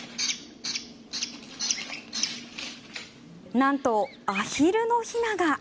なんとアヒルのひなが。